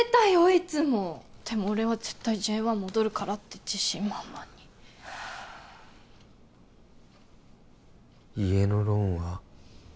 いつもでも俺は絶対Ｊ１戻るからって自信満々に家のローンは？